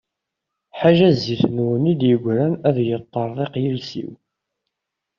Ḥala zzit-nwen i d-yegran, ad yeṭṭeṛḍeq yiles-iw!